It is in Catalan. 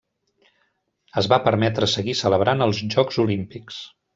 Es va permetre seguir celebrant els jocs olímpics.